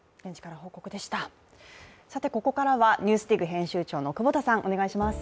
ここからは「ＮＥＷＳＤＩＧ」編集長の久保田さん、お願いします。